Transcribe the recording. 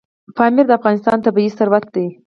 پامیر د افغانستان طبعي ثروت دی.